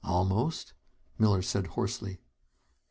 "Almost?" Miller said hoarsely.